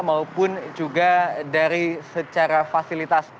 maupun juga dari secara fasilitas